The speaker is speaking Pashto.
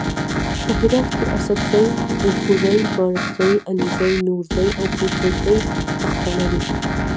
په هرات کې اڅګزي الکوزي بارګزي علیزي نورزي او پوپلزي پښتانه دي.